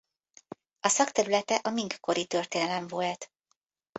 A szakterülete a Ming-kori történelem volt.